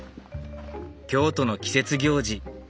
京都の季節行事